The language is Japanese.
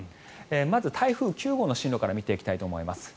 まず、台風９号の進路から見ていきたいと思います。